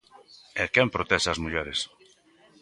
E quen protexe as mulleres?